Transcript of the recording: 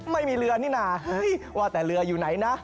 ไม่มีเรือนี่นะว่าแต่เรืออยู่ไหนนะ